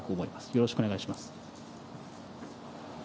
よろしくお願いします。